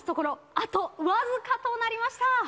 あとわずかとなりました。